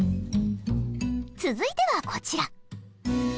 続いてはこちら。